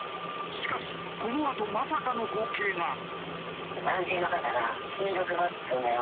しかしこのあとまさかの光景が。